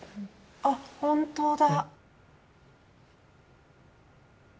あっ本当だ。